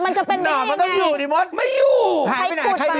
มันจะเป็นไงงั้นได้ไหมไม่รู้ไหมหายไปไหนใครไปรอ